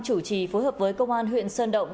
chủ trì phối hợp với công an huyện sơn động